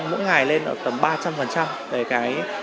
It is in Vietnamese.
mỗi ngày lên tầm ba trăm linh để cái số lượng bán ra